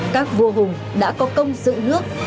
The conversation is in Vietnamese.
các vua hùng đã có công dự nước